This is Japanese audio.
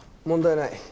問題ない。